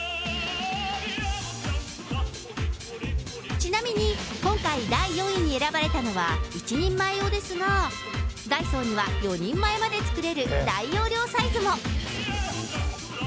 ちなみに今回、第４位に選ばれたのは１人前用ですが、ダイソーには４人前まで作れる大容量サイズも。